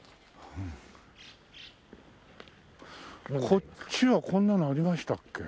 こっちはこんなのありましたっけ？